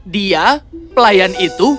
dia pelayan itu